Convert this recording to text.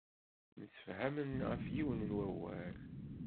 Msefhamen ɣef yiwen n wawal.